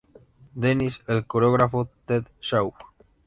Denis, el coreógrafo Ted Shawn.